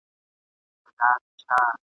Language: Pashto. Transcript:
هر واعظ وي په صفت ستونی څیرلی !.